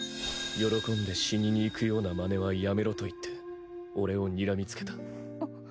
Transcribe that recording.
喜んで死ににいくようなまねはやめろと言って俺をにらみつけた。